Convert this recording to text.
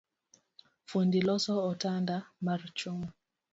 Fundi loso otanda mar chuma